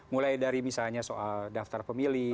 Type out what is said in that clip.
mulai dari misalnya soal daftar pemilih